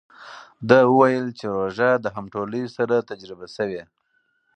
ده وویل چې روژه د همټولیو سره تجربه شوې.